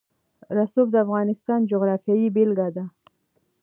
رسوب د افغانستان د جغرافیې بېلګه ده.